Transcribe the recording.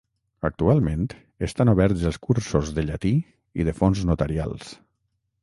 Actualment estan oberts els cursos de llatí i de fons notarials.